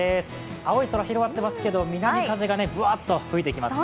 青い空広がっていますけど南風がぶわーっと吹いてきますね。